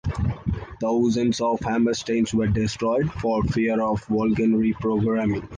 Thousands of Hammersteins were destroyed for fear of Volgan reprogramming.